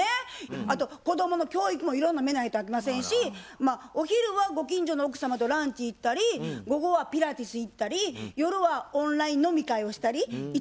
あと子供の教育もいろいろ見ないとあきませんしお昼はご近所の奥様とランチ行ったり午後はピラティス行ったり夜はオンライン飲み会をしたり一日忙しいんです。